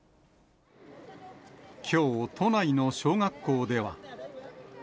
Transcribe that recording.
きょう、都内の小学校では。